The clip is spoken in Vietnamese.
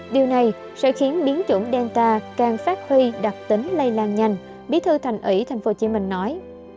điều này sẽ khiến biến chủng delta càng phát huy đặc tính lây lan nhanh bí thư thành ủy tp hcm nói